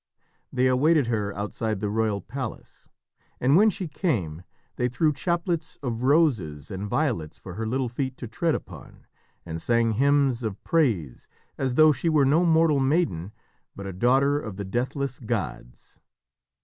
They awaited her outside the royal palace, and when she came, they threw chaplets of roses and violets for her little feet to tread upon, and sang hymns of praise as though she were no mortal maiden but a daughter of the deathless gods.